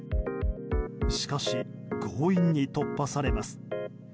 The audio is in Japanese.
しかし、強引に突破されます。